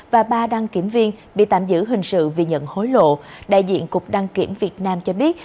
và ba đăng kiểm viên bị tạm giữ hình sự vì nhận hối lộ đại diện cục đăng kiểm việt nam cho biết